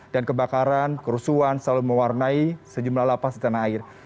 dan kebakaran kerusuhan selalu mewarnai sejumlah lapas di tanah air